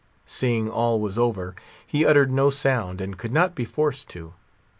Seeing all was over, he uttered no sound, and could not be forced to.